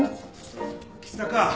橘高。